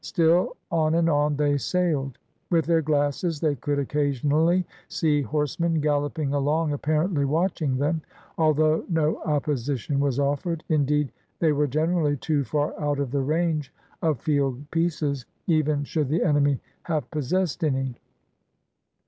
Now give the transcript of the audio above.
Still, on and on they sailed. With their glasses they could occasionally see horsemen galloping along apparently watching them, although no opposition was offered, indeed they were generally too far out of the range of field pieces, even should the enemy have possessed any.